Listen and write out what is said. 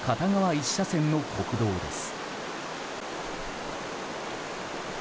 １車線の国道です。